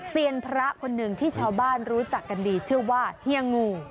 เซียนพระคนหนึ่งที่ชาวบ้านรู้จักกันดีชื่อว่าเฮียงู